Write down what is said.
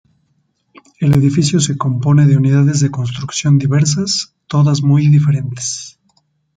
El edificio se compone de unidades de construcción diversas, todas muy diferentes.